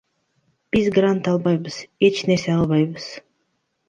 Биз грант албайбыз, эч нерсе албайбыз.